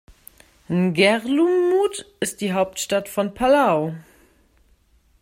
Ngerulmud ist die Hauptstadt von Palau.